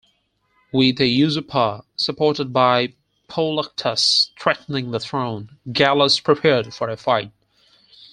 With a usurper, supported by Pauloctus, threatening the throne, Gallus prepared for a fight.